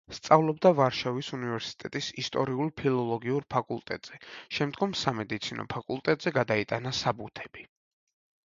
სწავლობდა ვარშავის უნივერსიტეტის ისტორიულ-ფილოლოგიურ ფაკულტეტზე, შემდგომ სამედიცინო ფაკულტეტზე გადაიტანა საბუთები.